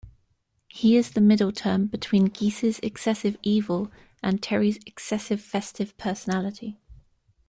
He is the middle term between Geese's excessive evil and Terry's excessive festive personality.